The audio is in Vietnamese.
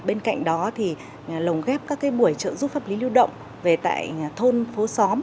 bên cạnh đó thì lồng ghép các buổi trợ giúp pháp lý lưu động về tại thôn phố xóm